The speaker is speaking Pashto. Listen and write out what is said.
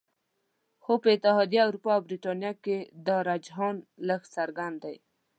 خو په اتحادیه اروپا او بریتانیا کې دا رجحان لږ څرګند دی